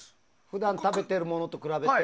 普段食べているものと比べて？